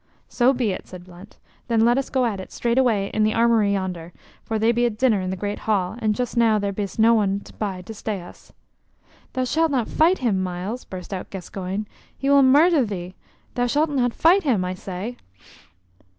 "So be it," said Blunt. "Then let us go at it straightway in the armory yonder, for they be at dinner in the Great Hall, and just now there be'st no one by to stay us." "Thou shalt not fight him, Myles!" burst out Gascoyne. "He will murther thee! Thou shalt not fight him, I say!"